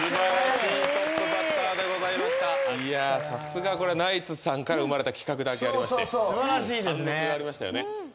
さすがナイツさんから生まれた企画だけありまして貫禄がありましたよね。